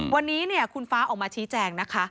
วันนี้คุณฟ้าออกมาชี้แจงนะคะ